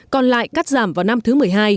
còn lại cắt giảm vào năm thứ một mươi hai